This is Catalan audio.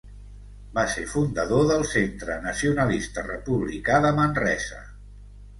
Va ser fundador del Centre Nacionalista Republicà de Manresa.